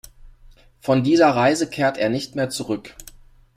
Von dieser Reise kehrt er nicht mehr zurück.